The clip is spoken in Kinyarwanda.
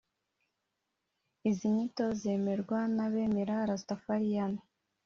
Izi nyito zemerwa n’abemera Rastafarian